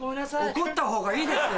怒ったほうがいいですよ